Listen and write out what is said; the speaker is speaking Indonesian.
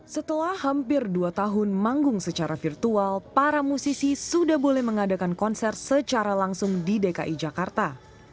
setelah hampir dua tahun manggung secara virtual para musisi sudah boleh mengadakan konser secara langsung di dki jakarta